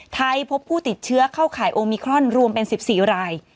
พบผู้ติดเชื้อเข้าข่ายโอมิครอนรวมเป็น๑๔ราย